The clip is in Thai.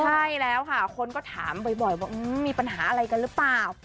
ใช่แล้วค่ะคนก็ถามบ่อยว่ามีปัญหาอะไรกันหรือเปล่า